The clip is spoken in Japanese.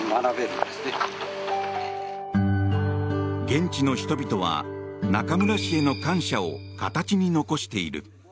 現地の人々は中村氏への感謝を形に残している。